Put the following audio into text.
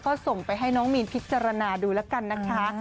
ก็ส่งไปให้น้องมีนพิจารณาดูแล้วกันนะคะ